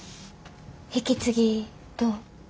引き継ぎどう？